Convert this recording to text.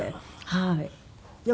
はい。